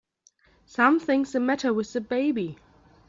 Something's the matter with the baby!